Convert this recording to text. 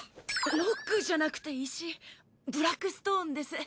ロックじゃなくて石ブラックストーンです。